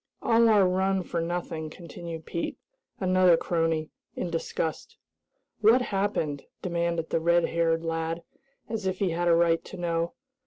"All our run for nothing," continued Pete, another crony, in disgust. "What happened?" demanded the red haired lad, as if he had a right to know.